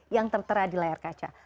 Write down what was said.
yang tertera di layar kaca